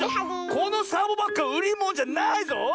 このサボバッグはうりものじゃないぞ！